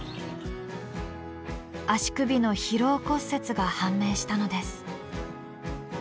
足首の疲労骨折が判明したのです。